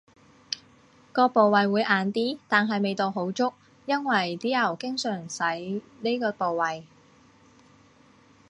個部位會硬啲，但係味道好足，因爲啲牛經常使呢個部位